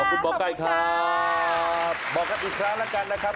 วันนี้ขอบคุณหมอไก้ค่ะขอบคุณค่ะบอกกันอีกครั้งแล้วกันนะครับ